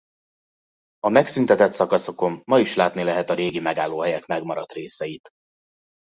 A megszüntetett szakaszokon ma is látni lehet a régi megállóhelyek megmaradt részeit.